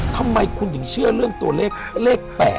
ทำไมคุณถึงเชื่อเรื่องตัวเลขเลข๘